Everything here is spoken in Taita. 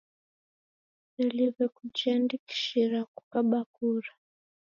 Kuseliw'e kujiandikishira kukaba kura